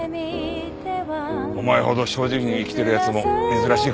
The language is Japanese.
お前ほど正直に生きている奴も珍しいからな。